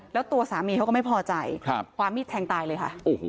แล้วตัวสามีเขาก็ไม่พอใจความมีดแทงตายเลยค่ะ